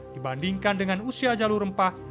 dibandingkan dengan usia jalur rempah